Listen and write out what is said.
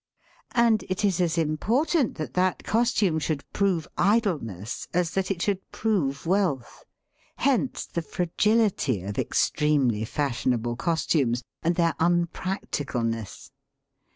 And it is as important that that costume should prove idleness as that it should prove wealth. Hence the fragility of extremely fash ionable costumes, and their unpracticalness.